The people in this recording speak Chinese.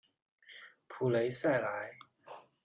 普雷赛莱。